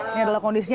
ini adalah kondisinya